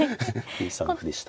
２三歩でした。